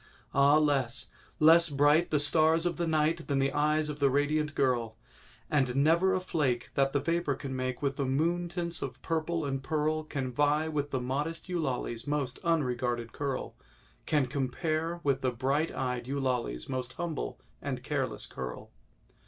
Ah, less—less bright The stars of the night Than the eyes of the radiant girl! And never a flake That the vapour can make With the moon tints of purple and pearl, Can vie with the modest Eulalie's most unregarded curl— Can compare with the bright eyed Eulalie's most humble and careless curl.